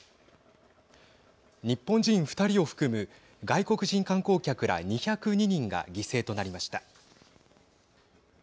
日本人２人を含む外国人観光客ら２０２人が犠牲となりました。